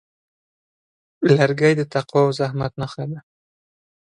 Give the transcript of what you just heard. لرګی د تقوا او زحمت نښه ده.